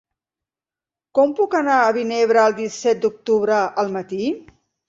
Com puc anar a Vinebre el disset d'octubre al matí?